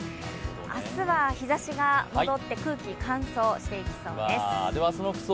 明日は日ざしが戻って空気が乾燥してきそうです。